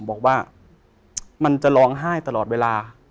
บอกว่ามันจะร้องไห้ตลอดเวลา